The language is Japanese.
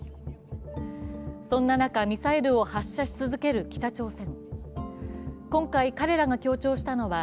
そんな中、ミサイルを発射し続ける北朝鮮。